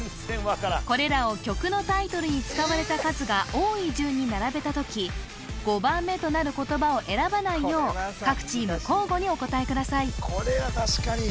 これらを曲のタイトルに使われた数が多い順に並べた時５番目となる言葉を選ばないよう各チーム交互にお答えください